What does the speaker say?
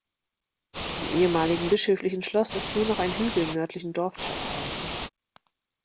Vom ehemaligen bischöflichen Schloss ist nur noch ein Hügel im nördlichen Dorfteil erhalten.